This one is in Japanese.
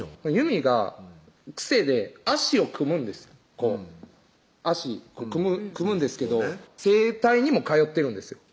祐美が癖で脚を組むんですこう脚組むんですけど整体にも通ってるんですよ